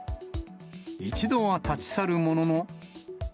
一度は立ち去るものの。